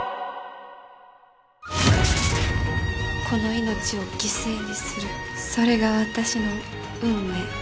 この命を犠牲にするそれが私の運命。